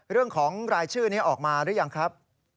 เรื่องของรายชื่อนี้ออกมาหรือยังครับ